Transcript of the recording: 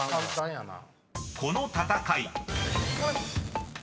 ［この戦い］